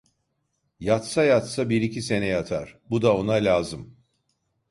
Yatsa yatsa bir iki sene yatar, bu da ona lazım…